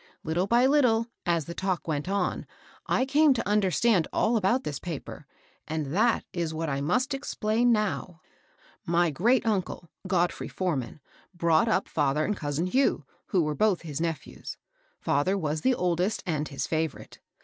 Little by little, as the talk went on, I came to understand all ab'Y't tiiis paper ; and that is what I must explain now. 410 MABEL ROSS. My great uncle, Godfrey Forman, brought up father and cousin Hugh, who were both his nephews. Father was the oldest and his favorite.